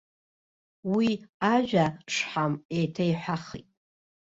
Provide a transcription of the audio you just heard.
Уи ажәа-шҳам еиҭа иҳәахит.